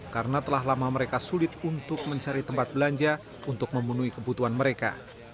karena telah lama mereka sulit untuk mencari tempat belanja untuk memenuhi kebutuhan mereka